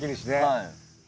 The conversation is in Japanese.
はい。